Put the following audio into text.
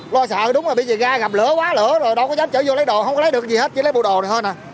lo sợ đúng là bị gai gặp lửa quá lửa rồi đâu có dám chở vô lấy đồ không có lấy được gì hết chỉ lấy bộ đồ này thôi nè